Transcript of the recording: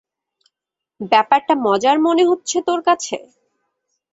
ব্যাপারটা মজার মনে হচ্ছে তোর কাছে?